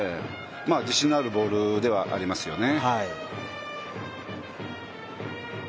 自信のあるボールではありますよね。